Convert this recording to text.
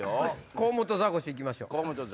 河本ザコシ行きましょう。